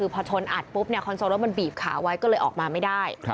พอชนอัดปุ๊บคอนโซลรถมันบีบขาไว้ก็เลยออกมาไม่ได้